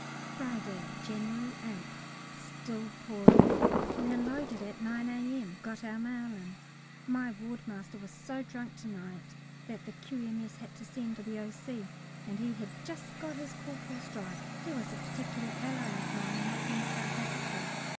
Friday, January 8th. Still pouring. We unloaded by 9 A.M., got our mail in. My wardmaster was so drunk to night that the Q.M.S. had to send for the O.C. And he had just got his corporal's stripe. He was a particular ally of mine and was in South Africa.